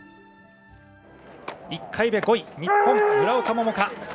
１回目５位日本、村岡桃佳。